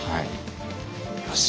よし！